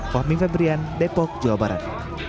fahmi febrian depok jawa barat